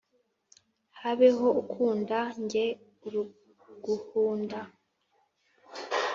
kabeho ukunda njye uruguhunda